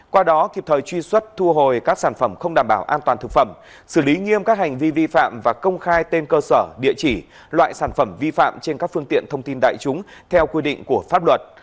qua đó kịp thời truy xuất thu hồi các sản phẩm không đảm bảo an toàn thực phẩm xử lý nghiêm các hành vi vi phạm và công khai tên cơ sở địa chỉ loại sản phẩm vi phạm trên các phương tiện thông tin đại chúng theo quy định của pháp luật